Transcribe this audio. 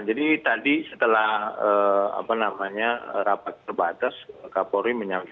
jadi tadi setelah rapat terbatas kapolri menyampaikan